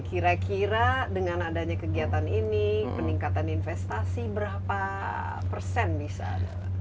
kira kira dengan adanya kegiatan ini peningkatan investasi berapa persen bisa